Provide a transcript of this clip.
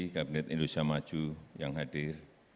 kabinet indonesia maju yang hadir